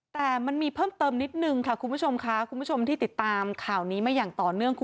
แต่มันมีเพิ่มเติมนิดนึงค่ะคุณผู้ชมค่ะคุณผู้ชมที่ติดตามข่าวนี้มาอย่างต่อเนื่อง